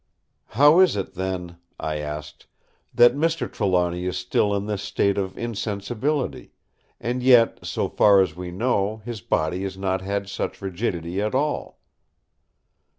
"How is it, then," I asked, "that Mr. Trelawny is still in this state of insensibility; and yet, so far as we know, his body has not had such rigidity at all?"